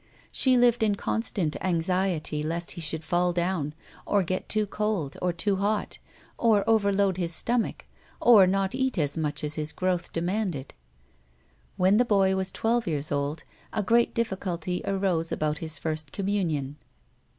She lived in constant anxiety lest he should fall down, or get too cold or too hot, or overload his stomach, or not eat as much as his growth demanded. When the boy was twelve years old a great difficulty arose about his first communion.